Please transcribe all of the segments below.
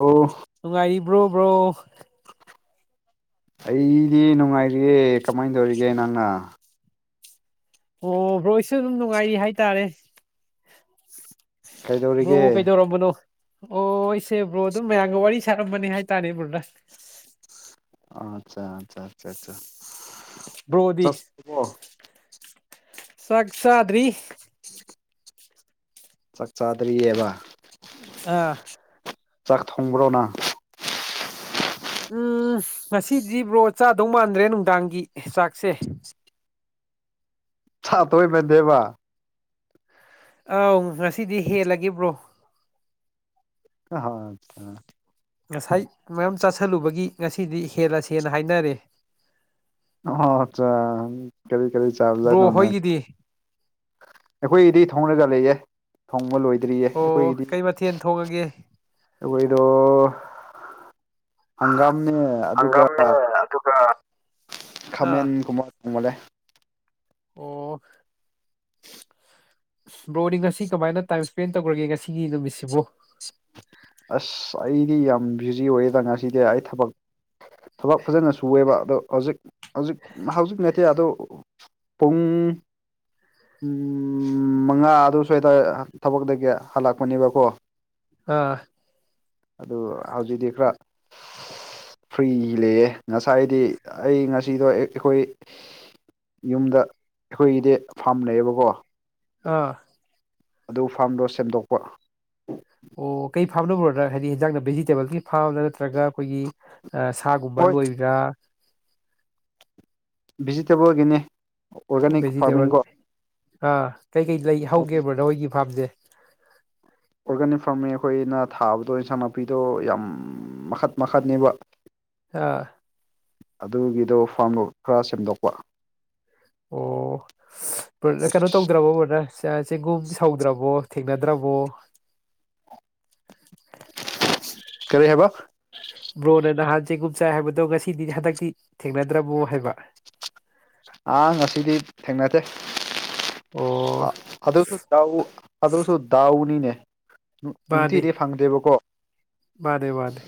ꯑꯣ ꯅꯨꯡꯉꯥꯏꯔꯤꯕ꯭ꯔꯣ ꯕ꯭ꯔꯣ ꯑꯩꯗꯤ ꯅꯨꯡꯉꯥꯏꯔꯤꯌꯦ ꯀꯃꯥꯏꯟ ꯇꯧꯔꯤꯒꯦ ꯅꯪꯅ ꯑꯣ ꯕ꯭ꯔꯣꯏꯁꯨ ꯑꯗꯨꯝ ꯅꯨꯡꯉꯥꯏꯔꯤ ꯍꯥꯏꯇꯥꯔꯦ ꯭ꯔꯣꯕꯨ ꯀꯩꯗꯧꯔꯤꯒꯦ ꯀꯩꯗꯧꯔꯝꯕꯅꯣ ꯑꯣ ꯏꯆꯦ ꯕ꯭ꯔꯣ ꯑꯗꯨꯝ ꯃꯌꯥꯝꯒ ꯋꯥꯔꯤ ꯁꯥꯔꯝꯕꯅꯤ ꯍꯥꯏꯇꯥꯔꯦꯕ꯭ꯔꯣꯅ ꯑꯆꯥ ꯑꯆꯥ ꯑ ꯑ ꯕ꯭ꯔꯣꯗꯤ ꯆꯣ ꯆꯥꯛ ꯆꯗ꯭ꯔꯤ ꯎꯝ ꯆꯥꯛ ꯆꯥꯗ꯭ꯔꯤꯑꯕ ꯑꯥ ꯆꯥꯛ ꯊꯣꯡꯕ꯭ꯔꯣꯅ ꯎꯝ ꯉꯁꯤꯗꯤ ꯕ꯭ꯔꯣ ꯆꯥꯗꯧ ꯃꯥꯟꯗ꯭ꯔꯦ ꯅꯨꯡꯗꯥꯡꯒꯤ ꯆꯥꯛꯁꯦ ꯇꯏ ꯃ ꯗꯕ ꯑꯥꯎ ꯉꯁꯤꯗꯤ ꯍꯦꯜꯂꯕ꯭ꯔꯣ ꯍ ꯉꯁꯥꯏ ꯃꯌꯥꯝ ꯆꯥꯁꯤꯜꯂꯨꯕꯒꯤ ꯉꯁꯤꯗꯤ ꯍꯦꯜꯂꯁꯦꯟꯅ ꯍꯥꯏꯅꯔꯦ ꯑ ꯀꯔꯤ ꯀꯔꯤ ꯆꯥꯖ ꯕ꯭ꯔꯣ ꯅꯣꯅꯦ ꯍꯣꯏꯒꯤꯗꯤ ꯑꯩꯈꯣꯏꯗꯤ ꯊꯣꯡꯡꯂꯒ ꯂꯩꯌꯦꯦ ꯊꯣꯡꯕ ꯂꯣꯏꯗꯦ ꯭ꯔꯤꯌꯦ ꯑꯣ ꯑꯩꯈꯣꯏꯒꯤꯗꯤ ꯀꯩ ꯃꯊꯦꯜ ꯊꯣꯡꯉꯒꯦ ꯑꯩꯈꯣꯏꯗꯣ ꯍꯪꯒꯥꯝꯅꯦ ꯑꯗꯨꯒ ꯍꯪꯒꯥꯝꯅꯦ ꯑꯗꯨꯒ ꯑꯥ ꯈꯥꯃꯦꯟꯒꯨꯝꯕ ꯀꯂꯦ ꯑꯣ ꯕ꯭ꯔꯣꯗꯤ ꯉꯁꯤ ꯀꯃꯥꯏꯅ ꯇꯥꯏꯝ ꯏꯁꯄꯦꯟ ꯇꯧꯈ꯭ꯔꯒꯦ ꯉꯁꯤꯒꯤ ꯅꯨꯃꯤꯠꯁꯤꯕꯨ ꯑꯁ ꯑꯩꯗꯤ ꯌꯥꯝ ꯕꯤꯨꯖꯤ ꯑꯣꯏꯌꯦꯦꯗ ꯉꯁꯤꯗꯤ ꯑꯩ ꯊꯕꯛ ꯊꯕꯛ ꯐꯖꯅ ꯁꯨꯑꯦꯕ ꯑꯗꯣ ꯍꯧꯖꯤꯛ ꯍꯧꯖꯤꯛ ꯍꯧꯖꯤꯛ ꯅꯠꯇꯦ ꯑꯗꯣ ꯄꯨꯡ ꯃꯉꯥ ꯑꯗꯨ ꯁ꯭ꯋꯥꯏꯗ ꯊꯕꯛꯇꯒꯤ ꯍꯜꯂꯛꯄꯅꯦꯕꯀꯣ ꯑꯥ ꯑꯗꯨ ꯍꯧꯖꯤꯛꯇꯤ ꯈꯔ ꯐ꯭ꯔꯤ ꯂꯩꯑꯦ ꯉꯁꯥꯏꯗꯤ ꯑꯩ ꯉꯁꯤꯗꯣ ꯑꯩꯈꯣꯏ ꯌꯨꯝꯗ ꯑꯩꯈꯣꯏꯒꯤꯗꯤ ꯐꯥꯝ ꯂꯩꯩꯌꯦꯕꯀꯣ ꯑꯥ ꯑꯗꯨ ꯐꯥꯔꯝꯗꯣ ꯁꯦꯝꯗꯣꯛꯄ ꯐꯥꯝꯅꯕꯨꯔꯗ ꯍꯥꯏꯗꯤ ꯍꯟꯖꯥꯡꯗ ꯚꯦꯖꯤꯇꯦꯕꯜꯒꯤ ꯐꯥꯝꯗ ꯅꯠꯇ꯭ꯔꯒ ꯑꯩꯈꯣꯏꯒꯤ ꯁꯥꯒꯨꯝꯕ ꯍꯣꯏ ꯂꯣꯏꯕꯔꯥ ꯚꯖꯤꯇꯦꯕꯜꯒꯤꯅꯦ ꯚꯦꯖꯤꯇꯦꯕꯜ ꯑꯥ ꯀꯩꯀꯩ ꯂꯩ ꯍꯧꯒꯦꯕ꯭ꯔ ꯅꯈꯣꯏꯒꯤ ꯐꯥꯝꯁꯦ ꯑꯣꯔꯒꯥꯅꯤꯛ ꯐꯥꯔꯃꯤꯡ ꯑꯩꯈꯣꯏꯅ ꯊꯥꯕꯗꯣ ꯏꯟꯁꯥꯡ ꯅꯥꯄꯤꯗꯣ ꯌꯥꯝ ꯃꯈꯠ ꯃꯈꯠꯅꯦꯕ ꯑꯥ ꯑꯗꯨꯒꯤꯗꯣ ꯐꯥꯝ ꯈꯔ ꯁꯦꯝꯗꯣꯛꯄ ꯑꯣ ꯀꯩꯅꯣ ꯑꯁ ꯇꯧꯗ꯭ꯔꯕꯕꯅ ꯆꯦꯡꯒꯨꯝ ꯁꯧꯗ꯭ꯔꯕꯣ ꯊꯦꯡꯅꯗ꯭ꯔꯕꯣ ꯀꯔꯤ ꯍꯕ ꯕ꯭ꯔꯣꯅ ꯅꯍꯥꯟ ꯆꯦꯡꯒꯨꯝ ꯆꯥꯏ ꯍꯥꯏꯕꯗꯣ ꯉꯁꯤꯗꯤ ꯍꯟꯗꯛꯇꯤ ꯊꯦꯡꯅꯗ꯭ꯔꯃꯣ ꯍꯥꯏꯕ ꯑꯥ ꯉꯁꯤꯗꯤ ꯊꯦꯡꯅꯗꯦ ꯑꯣ ꯑꯗꯨꯁꯨ ꯆꯥꯎ ꯑꯗꯨꯁꯨ ꯗꯥꯎꯅꯤꯅꯦ ꯃꯥꯅꯦ ꯅꯨꯡꯇꯤꯗꯤ ꯐꯪꯗꯦꯕꯀꯣ ꯃꯥꯅꯦ ꯃꯥꯅꯦ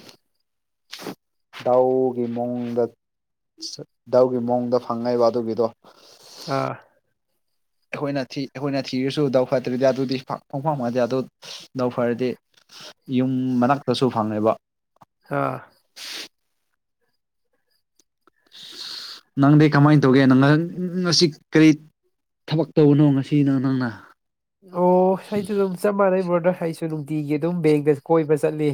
ꯗꯥꯎꯒꯤ ꯃꯑꯣꯡꯗ ꯙꯎꯒꯤ ꯃꯑꯣꯡꯗ ꯐꯪꯉꯛꯏꯕ ꯑꯗꯨꯒꯤꯗꯣ ꯑꯥ ꯑꯩꯈꯣꯏꯅꯤ ꯑꯩꯈꯣꯏꯅ ꯊꯤꯔꯁꯨ ꯗꯧ ꯐꯠꯇ꯭ꯔꯗꯤ ꯑꯗꯨꯗꯤ ꯐꯪ ꯐꯪꯉꯗꯤ ꯑꯗꯨ ꯗꯧꯐꯔꯗꯤ ꯌꯨꯝ ꯃꯅꯥꯛꯇꯁꯨ ꯐꯪꯉꯦꯕ ꯑꯥ ꯅꯪꯗꯤ ꯀꯃꯥꯏꯅ ꯇꯧꯒꯦ ꯅꯪ ꯉꯁꯤ ꯀꯔꯤ ꯊꯕꯛ ꯇꯧꯕꯅꯣ ꯉꯁꯤꯅꯪ ꯅꯪꯅ ꯑꯣ ꯑꯩꯁꯨ ꯑꯗꯨꯝ ꯆꯞ ꯃꯥꯟꯅꯩ ꯭ꯔꯣꯗꯥ ꯑꯩꯁꯨ ꯅꯨꯡꯇꯤꯒꯤ ꯑꯗꯨꯝ ꯕꯦꯡꯗ ꯀꯣꯏꯕ ꯆꯠꯂꯤ